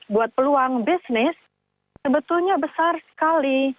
buat peluang bisnis sebetulnya besar sekali